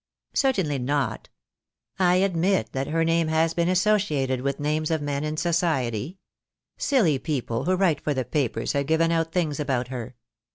"Certainly not. I admit that her name has been associated with names of men in society. Silly people who write for the papers have given out things about her.